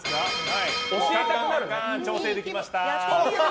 調整できました！